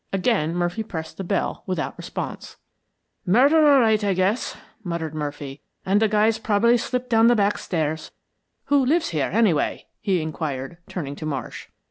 Again Murphy pressed the button without response. "Murder, all right, I guess," muttered Murphy, "and the guy's probably slipped down the back stairs. Who lives here, anyway?" he inquired, turning to Marsh.